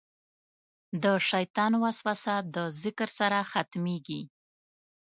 د شیطان وسوسه د ذکر سره ختمېږي.